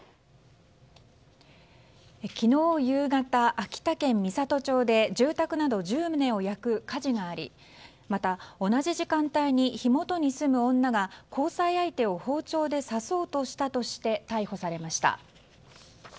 昨日夕方、秋田県美郷町で住宅など１０棟を焼く火事がありまた、同じ時間帯に火元に住む女が、交際相手を包丁で刺そうとしたとして逮捕されました。